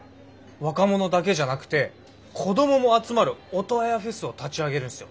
若者だけじゃなくて子どもも集まるオトワヤフェスを立ち上げるんすよ。